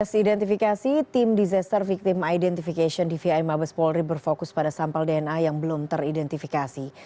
proses identifikasi tim disaster victim identification dvi mabes polri berfokus pada sampel dna yang belum teridentifikasi